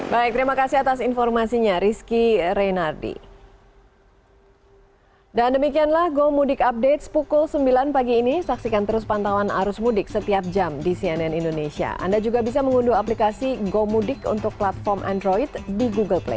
baik terima kasih atas informasinya rizky renardi